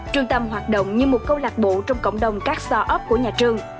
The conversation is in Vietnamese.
trung tâm hoạt động như một câu lạc bộ trong cộng đồng các start up của nhà trường